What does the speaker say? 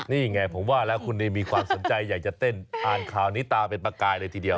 นี่ไงผมว่าแล้วคุณมีความสนใจอยากจะเต้นอ่านข่าวนี้ตาเป็นประกายเลยทีเดียว